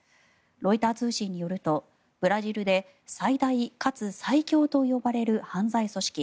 ロイター通信によるとブラジルで最大かつ最強と呼ばれる犯罪組織